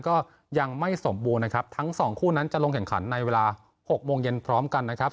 ก็ยังไม่สมบูรณ์นะครับทั้งสองคู่นั้นจะลงแข่งขันในเวลา๖โมงเย็นพร้อมกันนะครับ